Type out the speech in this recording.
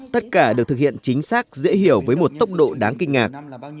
tất cả được thực hiện chính xác dễ hiểu với một tốc độ đáng kinh ngạc